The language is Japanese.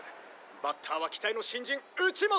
「バッターは期待の新人打本！」